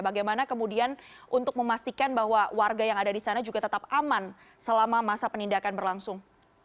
bagaimana kemudian untuk memastikan bahwa warga yang ada di sana juga tetap aman selama masa penindakan berlangsung